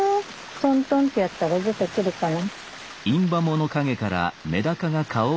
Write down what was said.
トントンってやったら出てくるかな？